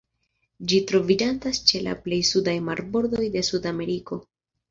Ĝi troviĝantas ĉe la plej sudaj marbordoj de Sudameriko.